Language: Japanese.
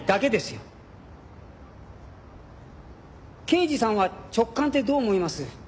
刑事さんは直感ってどう思います？